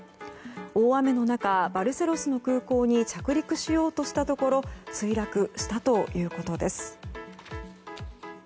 大雨の中、バルセロスの空港に着陸しようとしたところ墜落したということです。